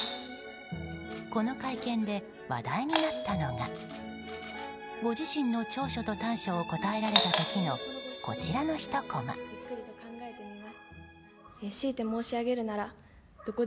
この会見で話題になったのがご自身の長所と短所を答えられた時のこちらのひとこま。